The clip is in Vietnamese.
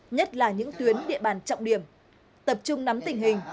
nhất là những tuyến địa bàn trọng điểm tập trung nắm tình hình